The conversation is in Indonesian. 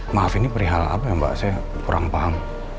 maaf ini perihal apa ya mbak saya kurang paham